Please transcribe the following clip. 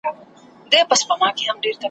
په سینه او ټول وجود کي یې سوې څړیکي .